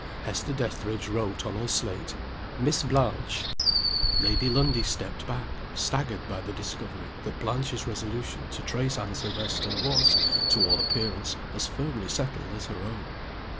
Hester Dethridge wrote on her slate: "Miss Blanche." Lady Lundie stepped back, staggered by the discovery that Blanche's resolution to trace Anne Silvester was, to all appearance, as firmly settled as her own.